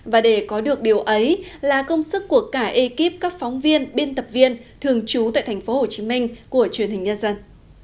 và để có được điều ấy là công sức của cả ekip các phóng viên biên tập viên thường trú tại tp hcm của truyền hình nhân dân